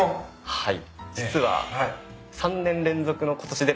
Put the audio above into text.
はい。